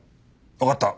わかった。